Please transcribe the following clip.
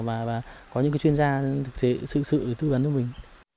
và có những cái chuyên gia thực sự tư vấn cho mình